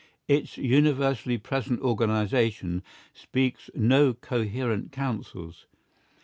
Its universally present organisation speaks no coherent counsels.